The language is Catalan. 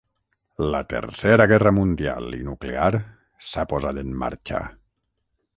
La Tercera Guerra mundial i nuclear s'ha posat en marxa.